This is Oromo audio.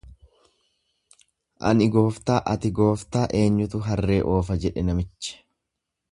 Ani gooftaa ati gooftaa eenyutu harree oofa jedhe namichi.